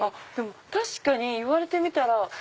確かに言われてみたら。